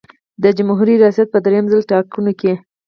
د جمهوري ریاست په دریم ځل ټاکنو کې.